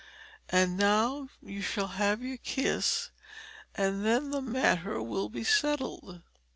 And now you shall have your kiss, and then the matter will be settled."